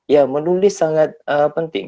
ya menulis sangat penting